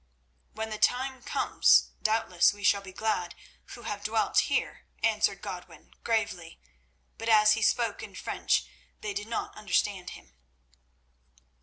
"When the time comes doubtless we shall be glad, who have dwelt here," answered Godwin gravely, but as he spoke in French they did not understand him.